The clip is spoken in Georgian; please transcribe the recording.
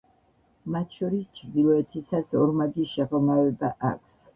მათ შორის ჩრდილოეთისას ორმაგი შეღრმავება აქვს.